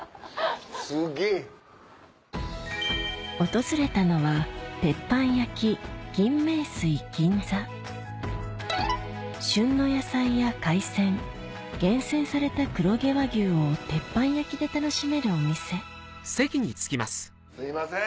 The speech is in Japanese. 訪れたのは旬の野菜や海鮮厳選された黒毛和牛を鉄板焼きで楽しめるお店すいません。